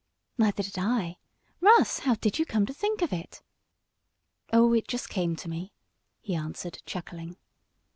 "Neither did I. Russ, how did you come to think of it?" "Oh, it just came to me," he answered, chuckling.